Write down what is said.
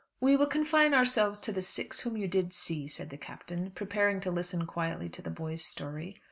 "We will confine ourselves to the six whom you did see," said the Captain, preparing to listen quietly to the boy's story.